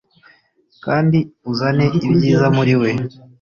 kandi uzane ibyiza muriwe